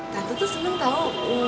tante tuh seneng tau